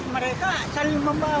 mereka saling membawa